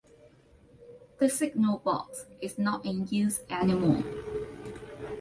The signal box is not in use any more.